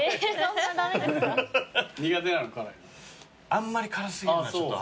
あんまり辛過ぎるのはちょっと。